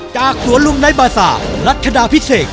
จากสวรุงนายบาสารัฐธรรมพิเศษ